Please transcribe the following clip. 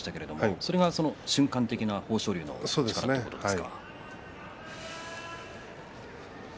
それが瞬間的な豊昇龍の力といいますか。